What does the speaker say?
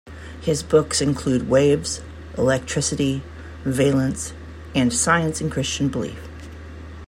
His books include "Waves", "Electricity", "Valence" and "Science and Christian belief".